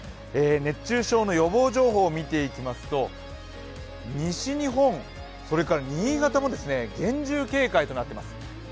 熱中症の予防情報を見ていきますと西日本、それから新潟も厳重警戒となっています。